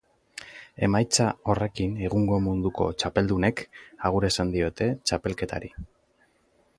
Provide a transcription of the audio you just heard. Emaitza horrekin egungo munduko txapeldunek agur esan diote txapelketari.